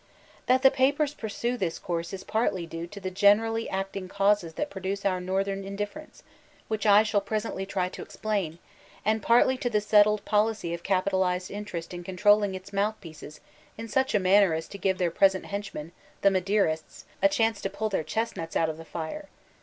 ^ g6S VoLTAHiNis 09 Clbyw Hiat the papers pursue this course is partly due to tiie generally acting causes that produce our northern indif* f erence, which I shall presently try to explain, and partly to the settled policy of capitalized interest in controlling its mouthpieces in such a manner as to give their present henchmen, the Maderists, a chance to pull their chestnuts out of the fire.